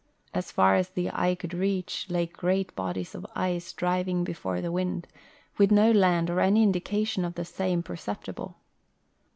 As far as the eye could reach lay great bodies of ice driving before the wind, with no land or any indication of the same perceptible.